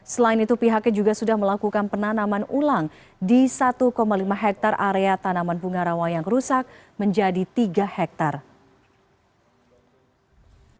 selain itu pihaknya juga sudah melakukan penanaman ulang di satu lima hektare area tanaman bunga rawa yang rusak menjadi tiga hektare